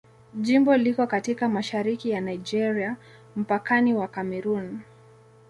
Jimbo liko katika mashariki ya Nigeria, mpakani wa Kamerun.